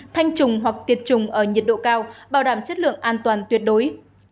thanh trùng hoặc tiệt trùng ở nhiệt độ cao bảo đảm chất lượng an toàn tuyệt đối